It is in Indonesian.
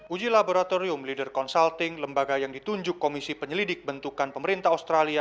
uji laboratorium leader consulting lembaga yang ditunjuk komisi penyelidik bentukan pemerintah australia